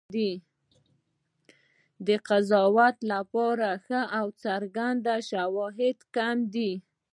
د قضاوت لپاره ښه او څرګند شواهد کم دي.